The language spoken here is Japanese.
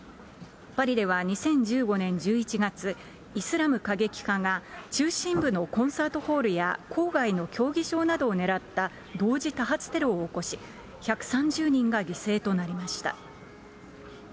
パリでは２０１５年１１月、イスラム過激派が中心部のコンサートホールや、郊外の競技場などを狙った同時多発テロを起こし、１３０人が犠牲となりました。